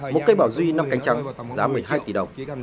một cây bảo duy năm cánh trắng giá một mươi hai tỷ đồng